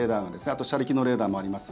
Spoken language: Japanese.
あと車力のレーダーもあります。